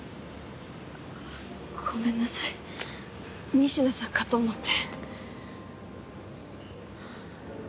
ごめんなさい仁科さんかと思って。